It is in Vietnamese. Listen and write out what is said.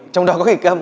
trong đó có kịch câm